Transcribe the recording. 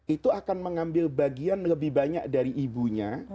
itu akan mengambil bagian lebih banyak dari ibunya